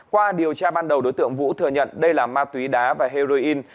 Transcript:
qua điều tra ban đầu đối tượng vũ thừa nhận đây là ma túy đá và heroin